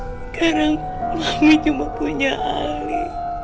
sekarang mami cuma punya ali